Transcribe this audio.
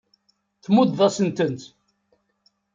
Tmuddeḍ-asen-tent.